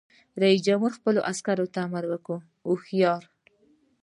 رئیس جمهور خپلو عسکرو ته امر وکړ؛ هوښیار!